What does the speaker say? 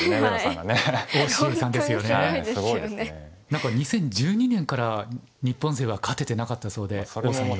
何か２０１２年から日本勢は勝ててなかったそうで於さんに。